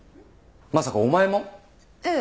まさかお前も？ええ。